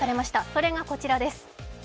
それがこちらです。